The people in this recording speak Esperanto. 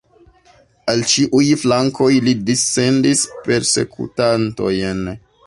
Al ĉiuj flankoj li dissendis persekutantojn.